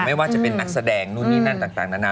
ไม่ว่าจะเป็นนักแสดงนู่นนี่นั่นต่างนานา